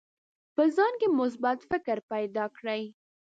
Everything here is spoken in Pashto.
په ځان کې مثبت فکر پیدا کړئ.